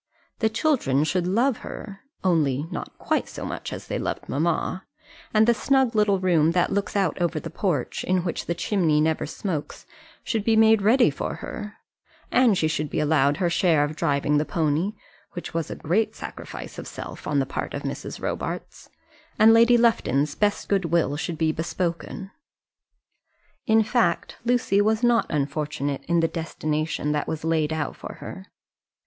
The children should so love her only not quite so much as they loved mamma; and the snug little room that looks out over the porch, in which the chimney never smokes, should be made ready for her; and she should be allowed her share of driving the pony which was a great sacrifice of self on the part of Mrs. Robarts and Lady Lufton's best good will should be bespoken. In fact, Lucy was not unfortunate in the destination that was laid out for her.